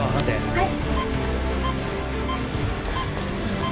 はい。